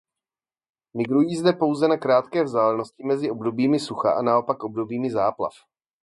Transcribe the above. Migrují pouze na krátké vzdálenosti mezi obdobími sucha a naopak obdobími záplav.